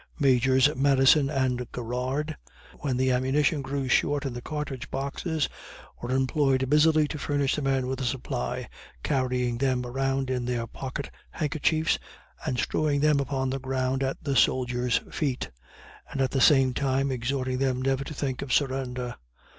Majors Madison and Garrard, when the amunition grew short in the catridge boxes, were employed busily to furnish the men with a supply, carrying them around in their pocket handkerchiefs and strewing them upon the ground at the soldiers' feet, and at the same time exhorting them never to think of a surrender.